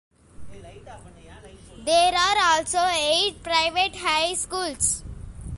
There are also eight private high schools.